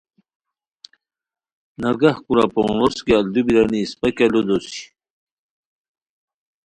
نگہ کورہ پون غوس کی الدو بیرانی اِسپہ کیہ لوُ دوسی